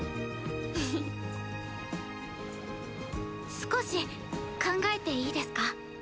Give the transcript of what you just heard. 少し考えていいですか？